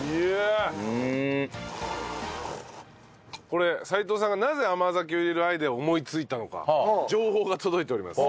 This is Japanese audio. これ齋藤さんがなぜ甘酒を入れるアイデアを思いついたのか情報が届いております。